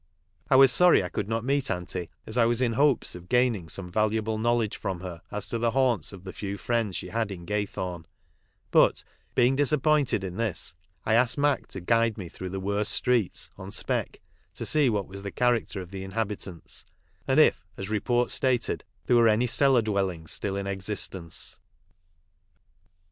I was sorry I could not meet Aunty, as I was in hopes of gaining some valuable knowledge from her as to the haunts of the few friends she had in Gay thorn, but, being disappointed in this, I asked Mac to guide me through the worst streets " on spec," to see what was the character of the inhabitants, and if, as report stated, there were any cellar dwellings still in existence.